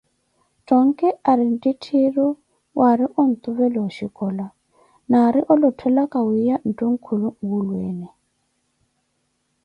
Thonki ari nttitthiru waari ontuvela oshicola naari olothelaka wiya nthunkulu nwulweene.